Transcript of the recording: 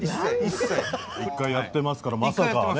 １回やってますからまさかね